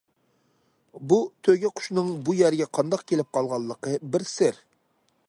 بۇ تۆگە قۇشنىڭ بۇ يەرگە قانداق كېلىپ قالغانلىقى بىر سىر.